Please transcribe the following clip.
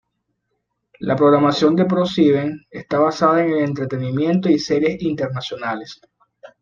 La programación de ProSieben está basada en el entretenimiento y series internacionales.